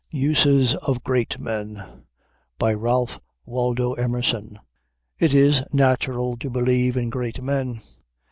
USES OF GREAT MEN RALPH WALDO EMERSON It is natural to believe in great men.